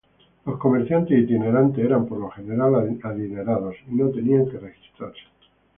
Los comerciantes itinerantes eran, por lo general, adinerados y no tenían que registrarse.